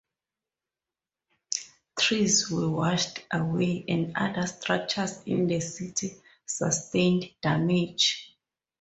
Trees were washed way and other structures in the city sustained damage.